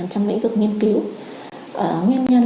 trong lĩnh vực nghiên cứu nguyên nhân